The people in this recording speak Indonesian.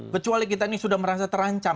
kecuali kita ini sudah merasa terancam